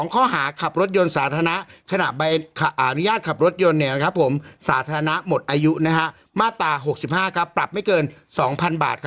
ข้อหาขับรถยนต์สาธารณะขณะใบอนุญาตขับรถยนต์สาธารณะหมดอายุมาตรา๖๕ปรับไม่เกิน๒๐๐๐บาท